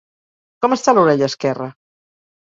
Com està l'orella esquerra?